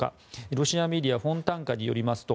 ロシアメディアフォンタンカによりますと